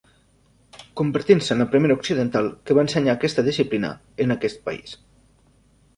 Convertint-se en la primera occidental que va ensenyar aquesta disciplina en aquest país.